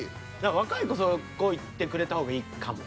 若い子そこいってくれた方がいいかも。